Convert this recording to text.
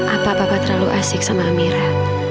apa apa terlalu asik sama amira